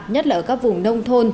nhất là ở các vùng nông thôn